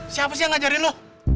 siapa sih yang ngajarin lo